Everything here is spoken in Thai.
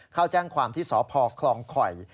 เข้าแจ้งความที่สพคลองข่อย